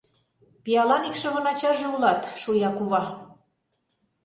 — Пиалан икшывын ачаже улат, — шуя кува.